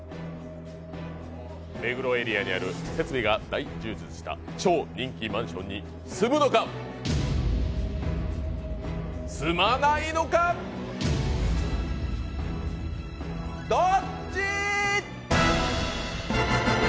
目黒エリアにある設備が大充実した超人気マンションに住むのか、住まないのか、どっち。